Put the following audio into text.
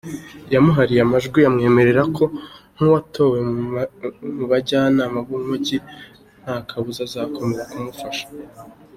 Yamuhariye amajwi amwemerera ko, nk’uwatowe mu bajyanama b’Umujyi, nta kabuza azakomeza kumufasha.